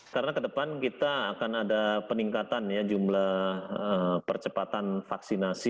karena ke depan kita akan ada peningkatan jumlah percepatan vaksinasi